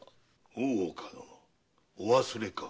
大岡殿お忘れか？